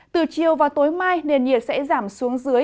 từ chiều và tối mai nền nhiệt sẽ giảm xuống dưới